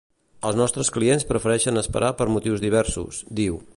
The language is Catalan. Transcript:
Els nostres clients prefereixen esperar per motius diversos, diu.